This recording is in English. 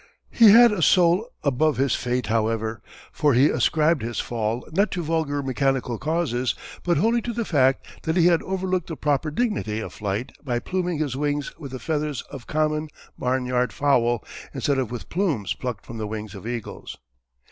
He had a soul above his fate however, for he ascribed his fall not to vulgar mechanical causes, but wholly to the fact that he had overlooked the proper dignity of flight by pluming his wings with the feathers of common barn yard fowl instead of with plumes plucked from the wings of eagles!